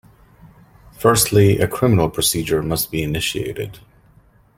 Firstly, a criminal procedure must be initiated.